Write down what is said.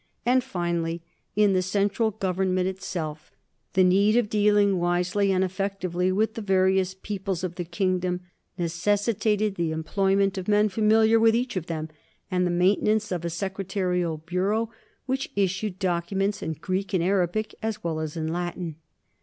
And finally in the central government itself, the 226 NORMANS IN EUROPEAN HISTORY need of dealing wisely and effectively with the various peoples of the kingdom necessitated the employment of men familiar with each of them, and the maintenance of a secretarial bureau which issued documents in Greek and Arabic as well as in Latin.